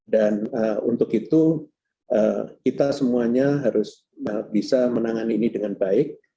dan untuk itu kita semuanya harus bisa menangani ini dengan baik